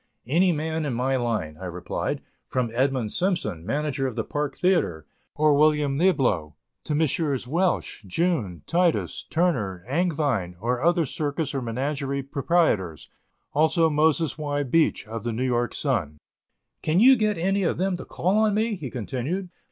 "Any man in my line," I replied, "from Edmund Simpson, manager of the Park Theatre, or William Niblo, to Messrs. Welch, June, Titus, Turner, Angevine, or other circus or menagerie proprietors; also Moses Y. Beach, of the New York Sun. "Can you get any of them to call on me?" he continued.